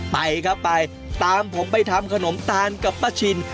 ไปครับไปตามผมไปทำขนมตาลกับป้าชิน